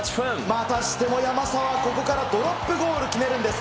またしても山沢、ここからドロップゴール決めるんです。